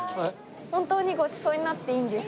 本当にごちそうになっていいんですか？